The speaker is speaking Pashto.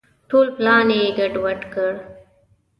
ټول پلان یې ګډ وډ کړ.